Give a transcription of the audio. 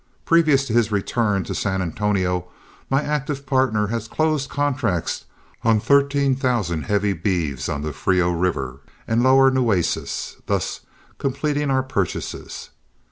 Previous to his return to San Antonio my active partner had closed contracts on thirteen thousand heavy beeves on the Frio River and lower Nueces, thus completing our purchases.